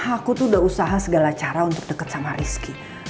aku tuh udah usaha segala cara untuk dekat sama rizky